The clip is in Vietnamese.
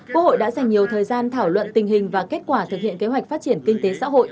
quốc hội đã dành nhiều thời gian thảo luận tình hình và kết quả thực hiện kế hoạch phát triển kinh tế xã hội